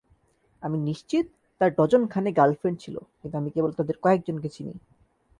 আমি নিশ্চিত তার ডজনখানে গার্লফ্রেন্ড ছিল, কিন্তু আমি কেবল তাদের কয়েকজনকে চিনি।